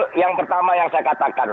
ya yang pertama yang saya katakan